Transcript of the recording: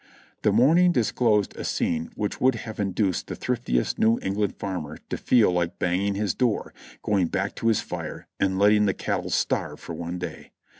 The morning disclosed a scene which would have induced the thriftiest New England farmer to feel like banging his door, going back to his fire and letting the cattle starve for one day.